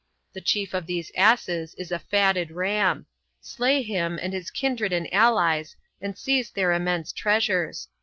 The chief of these asses is a fatted ram. Slay him and his kin dred and allies and seize their immense treasures.